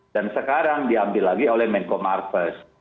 dan sekarang diambil lagi oleh menko marfes